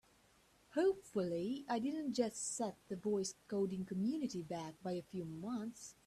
Hopefully I didn't just set the voice coding community back by a few months!